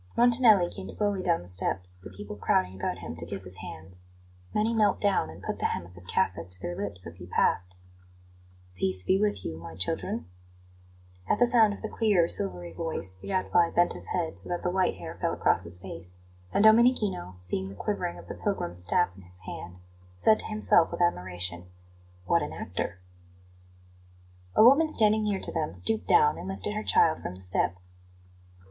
Montanelli came slowly down the steps, the people crowding about him to kiss his hands. Many knelt down and put the hem of his cassock to their lips as he passed. "Peace be with you, my children!" At the sound of the clear, silvery voice, the Gadfly bent his head, so that the white hair fell across his face; and Domenichino, seeing the quivering of the pilgrim's staff in his hand, said to himself with admiration: "What an actor!" A woman standing near to them stooped down and lifted her child from the step.